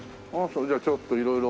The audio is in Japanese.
じゃあちょっと色々。